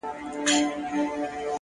د زړه سکون له قناعت پیدا کېږي.